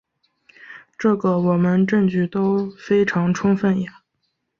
这个我们证据都非常充分呀。